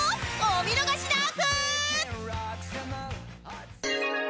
お見逃しなく！